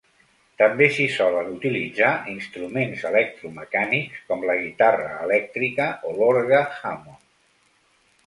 També s'hi solen utilitzar instruments electromecànics com la guitarra elèctrica o l'orgue Hammond.